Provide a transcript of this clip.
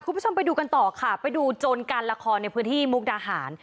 คุณผู้ชมไปดูกันต่อค่ะไปดูโจรการละครในพื้นที่มุกดาหาร